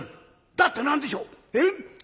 「だって何でしょうえ？